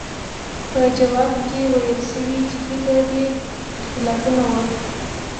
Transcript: په ځواب کې ویل شوي چې فکري اختلافونه وو.